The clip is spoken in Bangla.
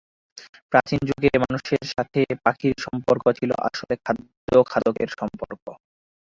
প্রাচীন যুগে মানুষের সাথে পাখির সম্পর্ক ছিল আসলে খাদ্য-খাদকের সম্পর্ক।